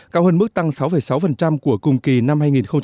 cao hơn mức tăng sáu sáu của cùng kỳ năm hai nghìn một mươi tám